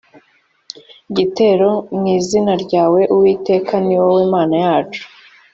gitero mu izina ryawe uwiteka ni wowe mana yacu